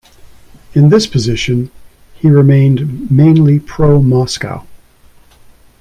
In this position, he remained mainly pro-Moscow.